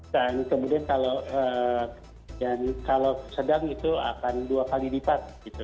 dan kemudian kalau sedang itu akan dua kali lipat